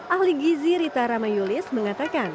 ahli gizi rita ramayulis mengatakan